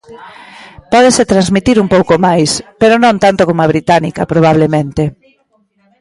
Pódese transmitir un pouco máis, pero non tanto como a británica, probablemente.